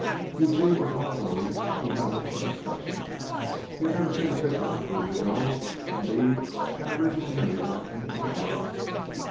Eugene was one of those who noted the discussion. He had never seen a picture by Bouguereau or, indeed, an original nude by any other artist.